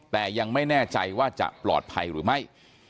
แต่ยังไม่แน่ใจว่าจะปลอดภัยหรือไม่